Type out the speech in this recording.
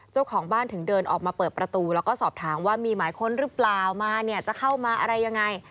เจ้าของบ้านถึงเดินออกมาเปิดประตูแล้วก็สอบถามว่ามีหมายค้นหรือเปล่ามาเนี่ยจะเข้ามาอะไรยังไง